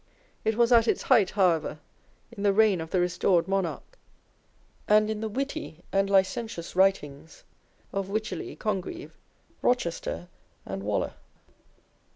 It was at its height, however, in the reign of the restored monarch, and in the witty and licentious writings of Wycherley, Congreve, Rochester, and Waller.